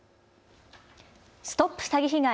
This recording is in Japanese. ＳＴＯＰ詐欺被害！